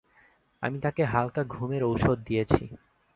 আমি তাকে হালকা ঘুমের ঔষধ দিয়েছি।